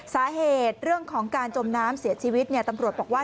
สาเหตุเรื่องของการจมน้ำเสียชีวิตตำรวจบอกว่า